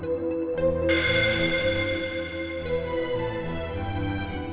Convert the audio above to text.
saya mau ke hotel ini